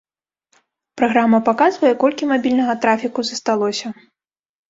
Праграма паказвае, колькі мабільнага трафіку засталося.